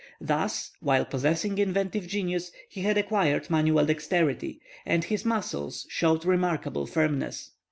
Thus, while possessing inventive genius, he had acquired manual dexterity, and his muscles showed remarkable firmness.